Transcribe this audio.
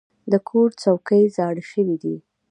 د کور څوکۍ زاړه شوي دي.